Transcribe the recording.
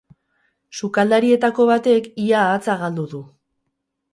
Sukaldarietako batek ia hatza galdu du.